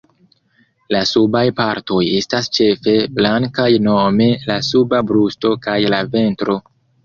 La subaj partoj estas ĉefe blankaj nome la suba brusto kaj la ventro.